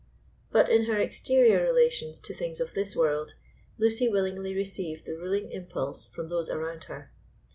But in her exterior relations to things of this world, Lucy willingly received the ruling impulse from those around her.